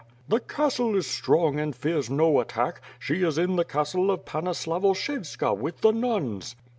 "The castle is strong and fears no attack; she is in the castle of Panna Slavoshevska with the nuns.'